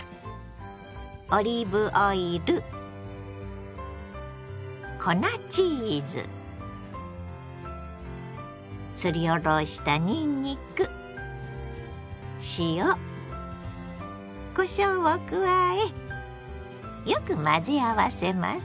オリーブオイル粉チーズすりおろしたにんにく塩こしょうを加えよく混ぜ合わせます。